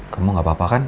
kamu gak apa apa kan